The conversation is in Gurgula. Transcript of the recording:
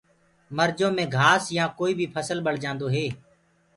مرجو مينٚ گآس يآ ڪوئي بي ڦسل ڀݪجآندو هي۔